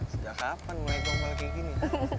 sejak kapan mulai gombal kayak gini